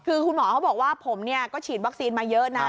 คือคุณหมอเขาบอกว่าผมเนี่ยก็ฉีดวัคซีนมาเยอะนะ